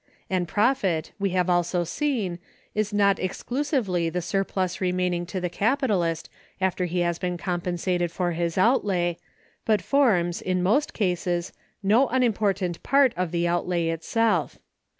And profit, we have also seen, is not exclusively the surplus remaining to the capitalist after he has been compensated for his outlay, but forms, in most cases, no unimportant part of the outlay itself.